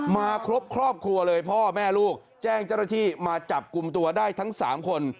มาครบครอบครัวเลยพ่อแม่ลูกแจ้งเจ้าหน้าที่มาจับกลุ่มตัวได้ทั้ง๓คน